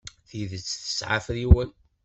Tidet tesɛa afriwen.